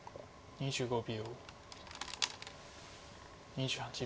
２５秒。